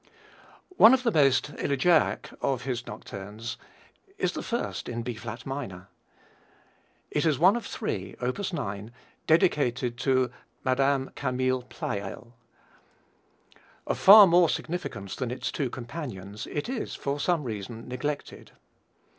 One of the most elegiac of his nocturnes is the first in B flat minor. It is one of three, op. 9, dedicated to Mme. Camille Pleyel. Of far more significance than its two companions, it is, for some reason, neglected.